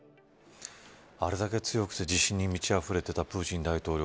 あれだけ強くて自信に満ちあふれていたプーチン大統領。